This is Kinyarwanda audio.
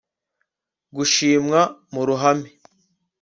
gushimwa mu ruhame